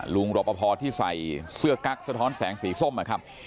รอปภที่ใส่เสื้อกั๊กสะท้อนแสงสีส้มนะครับ